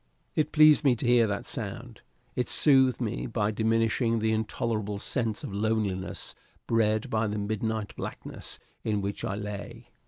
It pleased me to hear that sound. It soothed me by diminishing the intolerable sense of loneliness bred by the midnight blackness in which I lay.